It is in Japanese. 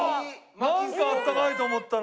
なんかあったかいと思ったら。